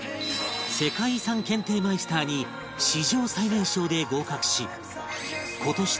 世界遺産検定マイスターに史上最年少で合格し今年